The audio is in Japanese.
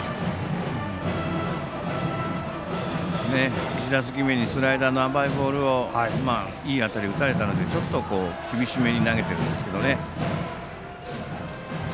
第１打席目にスライダーの甘いボールをいい当たり打たれたのでちょっと厳しめに投げていますね。